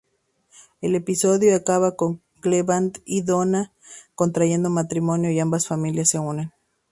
El episodio acaba con Cleveland y Donna contrayendo matrimonio y ambas familias se unen.